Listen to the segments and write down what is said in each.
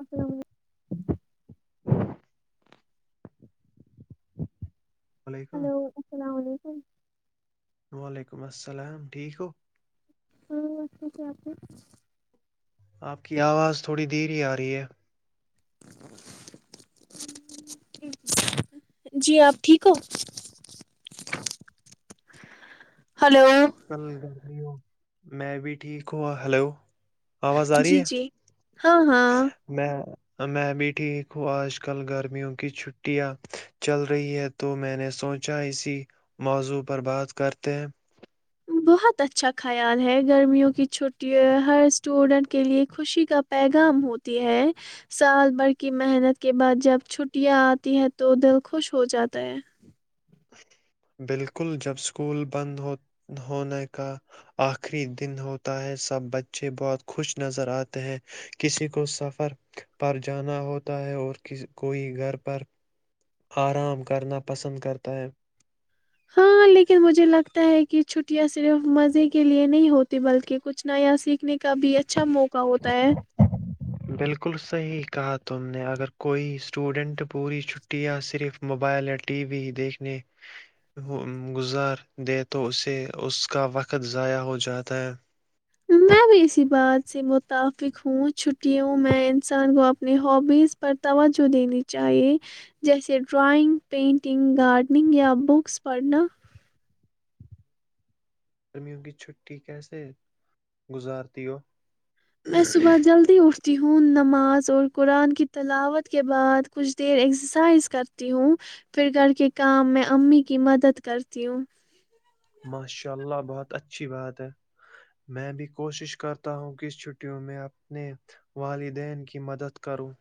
السلام علیکم وعلیکم ہلو السلام علیکم وعلیکم السلام ٹھیک ہو ہاں وسے کیا آپ آپ کی آواز تھوڑی دری آ رہی ہے جی آپ ٹھیک ہو ہلو کل گرمی میں بھی ٹھیک ہا ہلو جی جی ہاں ہاں میں میں بھی ٹھیک ہوں آج کل گرمیوں کی چھٹیاں چل رہی ہے تو میں نے سوچا اسی موضوع پر بات کرتے ہیں بہت اچھا خیال ہے گرمیوں کی چھٹی ہر اسٹوڈینٹ کے لیے خوشی کا پیغام ہوتی ہے سال بھر کی محنت کے بعد جب چھٹیاں آتی ہے تو دل خوش ہو جاتا ہے بالکل جب سکول بند ہونے کا آخری دن ہوتا ہے سب بچے بہت خوش نظر آتے ہیں کسی کو سفر پر جانا ہوتا ہے اور کوئی گھر پر آرام کرنا پسند کرتا ہے ہاں لیکن مجھے لگتا ہے کہ چھٹیاں صرف مزے کے لیئے نہیں ہوتی بلکہ کچھ نیا سیکھنے کے کا بھی اچھا موقع ہوتا ہے بالکل صحیح کہا تم نے اگر کوئی اسٹوڈنٹ پوری چھٹٹی یا صرف موبائل یا ٹی وی دیکھنے گزار دے تو اسے اس کا وقت ضائع ہو جاتا ہے میں بھی ایسی بات سے متفق ہوں چھٹیوں میں انسان کو اپنی ہوبیز پر توجہ دینی چاہیے جیسے ڈرائنگ پینٹنگ گارڈننگ یا بکس پڑھنا گرمیوں کی چھٹی کیسے گزارتی ہو؟ میں صبح جلدی اٹھتا ہوں نماز اور قرآن کی تلاوت کے بعد کچھ دیر ایکسرسائز کرتی ہوں پھر گھر کے کام میں امی کی مدد کرتی ہوں ماشاء اللہ بہت اچھی بات ہے میں بھی کوشش کرتا ہوں کہ اس چھٹیوں میں اپنے والدین کی مدد کروں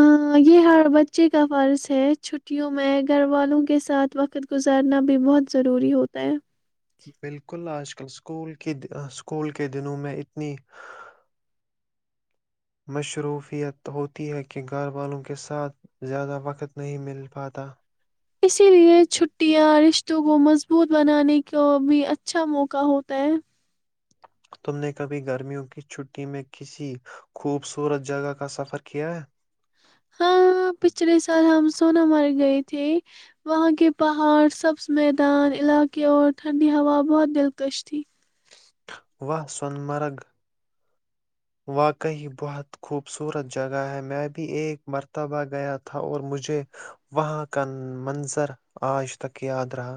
آہ، یہ ہر بچے کا فرض ہے چھٹیوں میں گھر والوں کے ساتھ وقت گزارنا بھی بہت ضروری ہوتا ہے بالکل آج کل اسکول کی اسکول کے دنوں میں اتنی مصروفیت ہوتی ہے کہ گھر والوں کے ساتھ زیادہ وقت نہیں مل پاتا اسی لے چھٹیاں رشتوں کو مضبوط بنانے کا بھی اچھا موقع ہوتا ہے تم نے کبھی گرمیوں کی چھٹی میں کسی خوبصورت جگہ کا سفر کیا ہے ہاں پچھلے سال ہم سون مرگ گئے تھے وہاں کے پہاڑ سبز میدان علاقے اور ٹھنڈی ہوا بہت دلکش تھی وہ سونمرگ واقعی بہت خوبصورت جگہ ہے میں بھی ایک مرتبہ گیا تھا اور مجھے وہاں کا منظر آج تک یاد رہا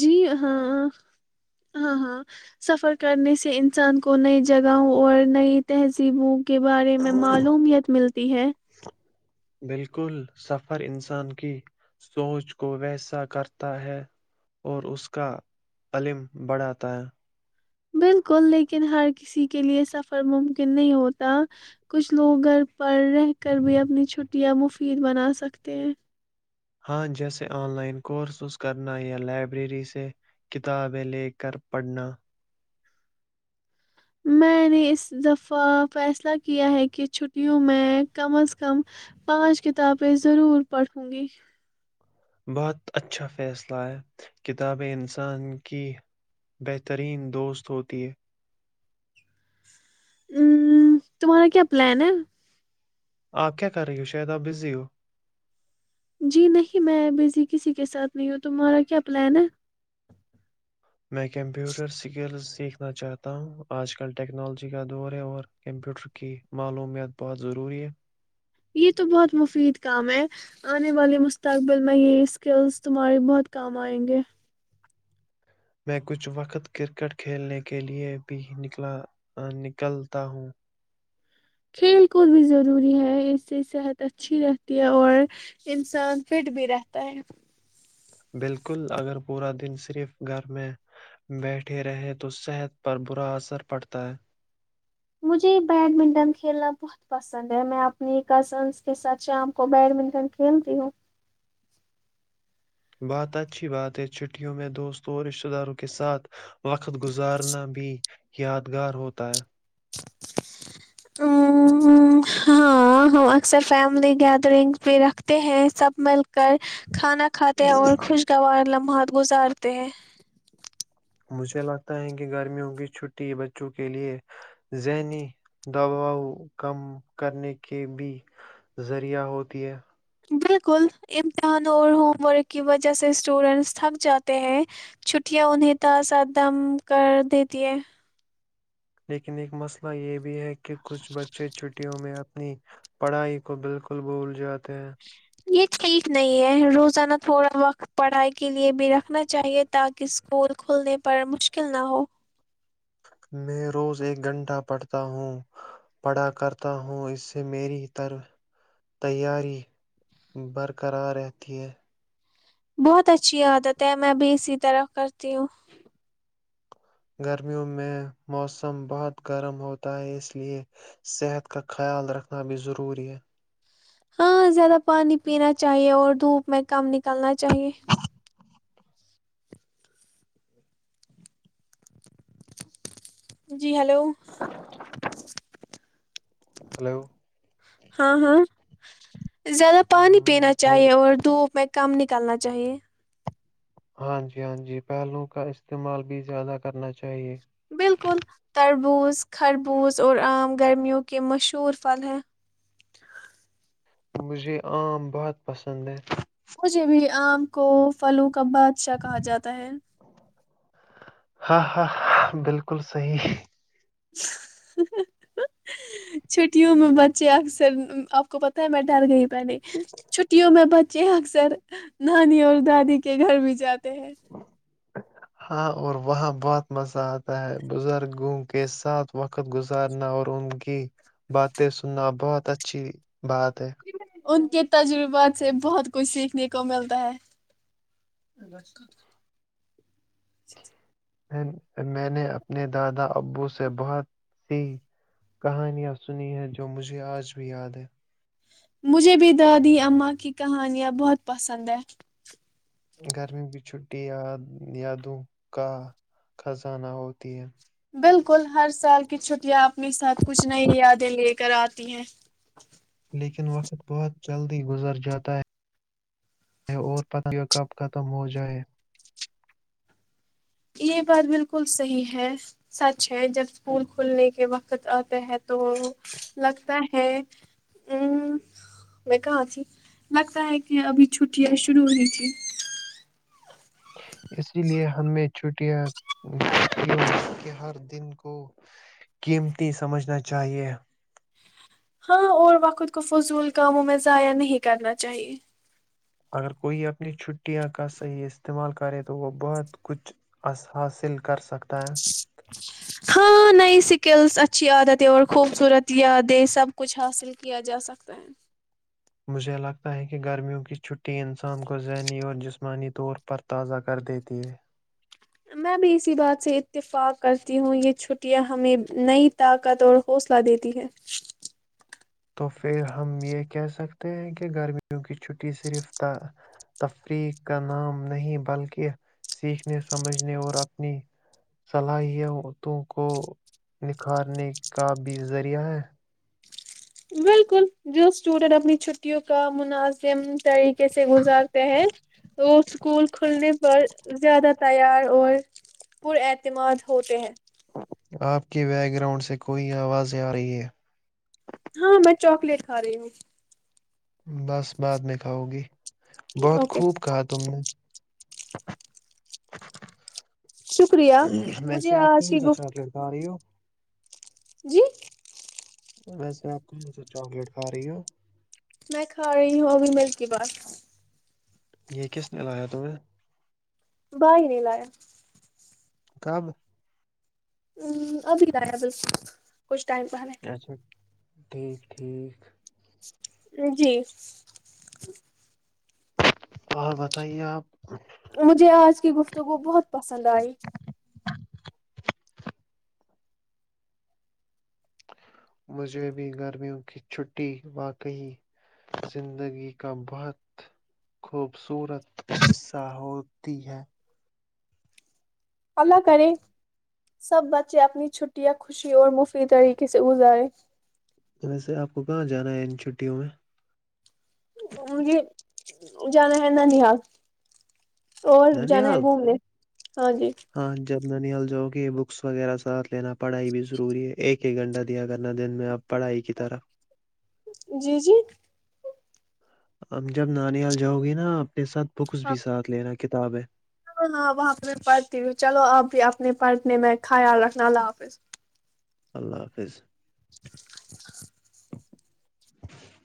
جی ہاں ہاں ہاں سفر کرنے سے انسان کو نئی جگہوں اور نئی تہذیبوں کے بارے میں معلوممیت ملتی ہے بالکل سفر انسان کی سوچ کو ویسا کرتا ہے اور اس کا علم بڑھاتا ہے بالکل لیکن ہر کسی کے لئے سفر ممکن نہیں ہوتا کچھ لوگ گھر پر رہ کر بھی اپنی چھٹیاں مفید بنا سکتے ہیں ہاں جیسے آن لائن کورسز کرنا یا لائبریری سے کتابیں لے کر پڑھنا میں نے اس دفعہ فیصلہ کیا ہے کہ چھٹیوں میں کم از کم پانچ کتابیں ضرور پڑھوں گی بہت اچھا فیصلہ ہے کتابیں انسان کی بہترین دوست ہوتی ہے ہ تمہارا کیا پلان ہے آپ کیا کر رہی ہو شاید آپ بزی ہو؟ جی نہیں میں بزی کسی کے ساتھ نہیں ہوں تمہارا کیا پلان ہے میں کمپیوٹر سکلز دیکھنا چاہتا ہوں آج کل ٹیکنالوجی کا دور ہے اور کمپیوٹر کی معلومت بہت ضروری ہے یہ تو بہت مفید کام ہے آنے والے مستقبل میں یہ اسکلس تمہارے بہت کام آئیں گے میں کچھ وقت کرکٹ کھیلنے کے لیئے بھی نکلا نکلتا ہوں کھیل کود بھی ضروری ہے اس سے صحت اچھی رہتی ہے اور انسان فٹ بھی رہتا ہے بالکل اگر پورا دن صرف گھر میں بیٹھے رہے تو صحت پر برا اثر پڑتا ہے مجھے بیڈمنٹن کھیلنا بہت پسند ہے میں اپنی کزنس کے ساتھ شام کو بیڈمنٹن کھیلتی ہوں بہات اچھی بات ہے چھٹیوں میں دوستوں اور رشتہ داروں کے ساتھ وقت گزارنا بھی یادگار ہوتا ہے ہ ہاں ہم اکثر فیملی گیدرنگ بھی رکھتے ہیں سب مل کر کھانا کھاتے اور خوشگوار لمبا بہت گزارتے ہیں مجھے لگتا ہے کہ گرمیوں کی چھٹی بچوں کے لیے ذہنی دباؤ کم کرنے کے بھی ذریعہ ہوتی ہے بالکل امتحان اور ہوم ورک کی وجہ سے اسٹوڈینٹس تھک جاتے ہیں چھٹیاں انہیں تازہ دم کر دیتی ہے لیکن ایک مسئلہ یہ بھی ہے کہ کہ کچھ بچے چھٹیوں میں ا نی پڑھائی کو بالکل بول جات تو یہ ٹھیک نہیں ہے روزانہ تھوڑا وقت پڑھائی کے لیے بھی رکھنا چاہیے تاکہ اسکول کھلنے پر مشکل نہ ہو میں روز ایک گھنٹہ پڑھتا ہوں پڑھا کرتا ہوں اس سے میری ط تیاری برقرار رہتی ہے بہت اچھی عادت ہے میں بھی اسی طرح کرتی ہوں گرمیوں میں موسم بہت گرم ہوتا ہے اس لیئے صحت کا خیال رکھنا بھی ضروری ہے ہاں زیادہ پانی پینا چاہیے اور دھوپ میں کم نکلنا چاہیے جی ہیلو ہلو ہاں ہاں زیادہ پانی پینا ہوں، پھل- چاہیے اور دھوپ میں کم نکالنا چاہیے ہاں جی ہاں جی پہلو کا استعمال بھی زیادہ کرنا چاہیے بالکل تربوز خربوز اور عام گرمیوں کے مشہور پھل ہیں مجھے عام بہت پسند ہیں مجھے بھی آم کو فلوکم بادشاہ کہا جاتا ہے ہاں ہاں ہ بالکل صحی چھٹیوں میں بچے اکثر آپ کو پت ہے می ڈر گئی پہنے چھٹیوں میں ب چے اکثر نانی اور دادی کے گھر بھی جاتے ہیں ہاں اور وہاں بہت مزہ آتا ہے بزرگوں کے ساتھ وقت گزارنا اور ان کی باتیں سننا بہت اچھی بات ہے ان کے تجربات سے بہت کچھ سیکھنے کو ملتا ہے میں نے اپنے دادا ابو سے بہت سی کہانیاں سنی ہیں جو مجھے آج بھی یاد ہے مجھے بھی دادی اماں کی کہانیاں بہت پسند ہے گرمی بھی چھٹی یادوں کا خزانہ ہوتی ہے بالکل ہر سال کی چھٹیاں اپنے ساتھ کچھ نئی یادیں لے کر آتی ہیں لیکن وقت بہت جلدی گزر جاتا ہے اور پت کہ کب ختم ہو جائے یہ بات بالکل صحیح ہے سچ ہے جب اسکول کھلنے کے وقت آتا ہے تو لگتا ہے ا میں کہاں تھی لگتا ہے کہ ابھی چھٹیاں شرع ہوئی تھی اسی لے ہمیں چھٹیاں کے ہر دن کو قیمتی سمجھنا چاہیئے ہاں اور وخت کو فضول کاموں میں ضائع نہیں کرنا چاہیے اگر کوئی اپنی چھٹیاں کا صحیح استعمال کرے تو وہ بہت کچھ حاصل کر سکتا ہے سکلس اچھی عادتیں اور خوبصورت یادیں سب کچھ حاصل کیا جا سکتا ہیں مجھے لگتا ہے کہ گرمیوں کی چھٹی انسان کو ذہنی اور جسمانی طور پر تازہ کر دیتی ہے میں بھی اسی بات سے اتفاق کرتی ہوں یہ چھٹیاں ہمیں نئی طاقت اور حوصلہ دیتی ہے تو پھر ہم یہ کہہ سکتے ہیں کہ گرمیوں کی چھٹی صرف تفریح کا نام نہیں بلکہ سیکھنے سمجھنے اور اپنی صلاحیتوں کو نکھارنے کا بھی ذریعہ ہے بالکل جو اسٹوڈینٹ اپنی چھٹیوں کا منازم طریقے سے گزارتے ہیں وہ اسکول کھلنے پر زیادہ تیار اور پر اعتماد ہوتے ہیں آپ کے بیک گراؤنڈ سے کوئی آوازیں آ رہی ہے ہاں میں چاکلیٹ کھا رہی ہوں بس بعد میں کھاو گی بہت اوکے خوب کہا تم نے شکریہ مجھے ویسے آپ آج کی کون سا گفت چاکلیٹ کھا رہی ہو جی ویسے آپ کون سے چاکلیٹ کھا رہی ہو میں کھا رہی ہوں ابھی ملک کی بات یہ کس نے لایا تمہیں؟ بائیری ل ہے کب ہ ابھی رہائےب کچھ ٹائم پہ ہے اچھا ٹھیک ٹھیک جی ہاں بتائیے آپ مجھے آج کی گفتگو بہت پسند آئی مجھے بھی گرمیوں کی چھٹی واقعی زندگی کا بہت خوبصورت حصہ ہوتی ہے اللہ کریں سب بچے اپنی چھٹیاں خوشی اور مفید طریقے سے گزارے ویسے آپ کو کہاں جانا ہے ان چھٹیوں میں؟ مے جانا ہے نانیہال اور جانا ہے ننیال گھومنے ہ جی ننل جو کی بکس وغیرہ ساتھ لینا پڑھائی بھی ضروری ہے ایک ایک گھنٹہ دیا کرنا دن میں آپ پڑھائی کی طرف جی جی اب جب نانییال جاؤ گی نا اپنے ساتھ بکس ہاں بھی ساتھ لینا کتاب ہے ہاں وہاں پہ پڑھتی ہوں چلو اپ بھی اپنے پڑھنے میں خیال رکھنا اللہ حافظ اللہ حافظ [inaudible] [inaudible]